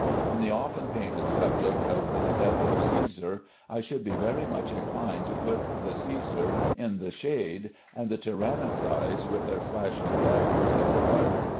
In the often painted subject of the "Death of Cæsar," I should be very much inclined to put the Cæsar in the shade, and the tyrannicides with their flashing daggers in the light.